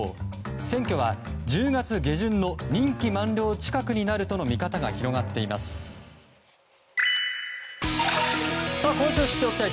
選挙は１０月下旬の任期満了近くになるとの見方が広がっています。